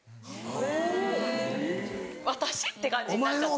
・えぇ・私⁉って感じになっちゃって。